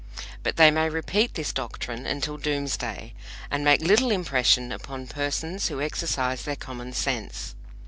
But they may repeat this doctrine until Doomsday, and make little impression upon persons who exercise their common sense.